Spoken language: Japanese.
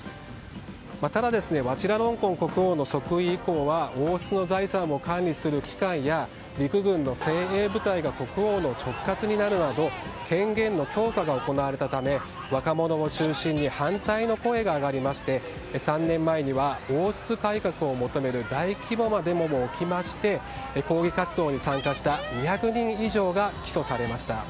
ただ、ワチラロンコン国王の即位以降は王室の財産を管理する機関や陸軍の精鋭部隊が国王の直轄になるなど権限の強化が行われたため若者を中心に反対の声が上がりまして３年前には王室改革を求める大規模なデモも起きまして抗議活動に参加した２００人以上が起訴されました。